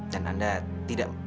dan anda tidak